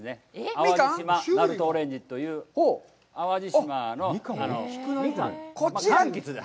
淡路島なるとオレンジという、淡路島のミカン、かんきつで。